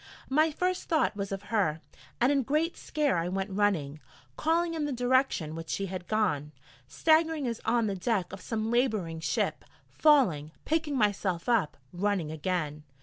My first thought was of her, and in great scare I went running, calling in the direction which she had gone, staggering as on the deck of some labouring ship, falling, picking myself up, running again.